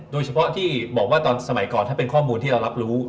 โดยเฉพาะที่บอกว่าตอนสมัยก่อนถ้าเป็นข้อมูลที่เรารับรู้